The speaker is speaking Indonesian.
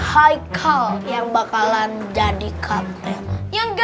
kak hai kau yang bakalan jadi kak